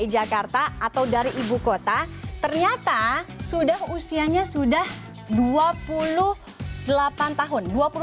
jakarta atau dari ibu kota ternyata sudah usianya sudah dua puluh delapan tahun